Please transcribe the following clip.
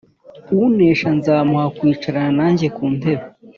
Unesha nzamuha kwicarana nanjye ku ntebe